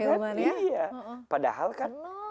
iya padahal kan